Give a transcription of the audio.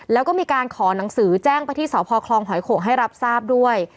แล้วก็มีการขอนังสือแจ้งไปที่สคฮให้รับทราบด้วย